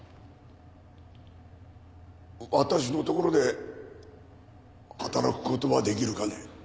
私のところで働くことはできるかね。